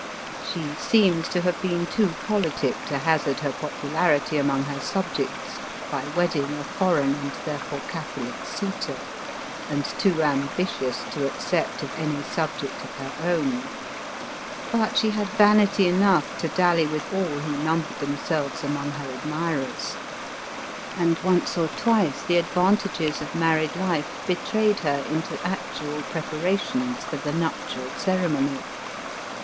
She seems to have been too politic to hazard her popularity among her subjects by wedding a for eign and therefore Catholic suitor, and too ambitious to accept of any subject of her own. But she had vanity enough to dally with all who numbered them selves among her admirers. And once or twice the advantages of married life betrayed her into actual preparations for the nuptial ceremony.